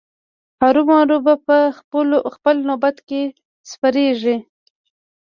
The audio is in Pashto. هرو مرو به په خپل نوبت کې سپریږي.